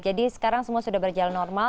jadi sekarang semua sudah berjalan normal